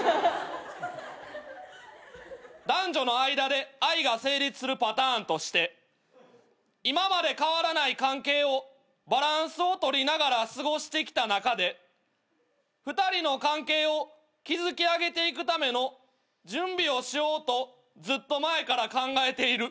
「男女の間で愛が成立するパターンとして今まで変わらない関係をバランスを取りながら過ごしてきた中で２人の関係を築き上げていくための準備をしようとずっと前から考えている」